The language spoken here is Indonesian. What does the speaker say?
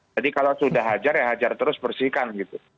jadi kalau sudah hajar ya hajar terus bersihkan gitu